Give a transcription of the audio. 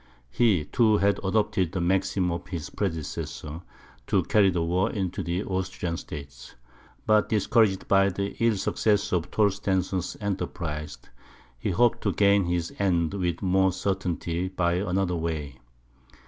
He, too, had adopted the maxim of his predecessor, to carry the war into the Austrian States. But discouraged by the ill success of Torstensohn's enterprise, he hoped to gain his end with more certainty by another way.